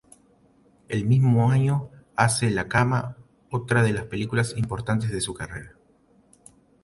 El mismo año hace "La cama", otra de las películas importantes de su carrera.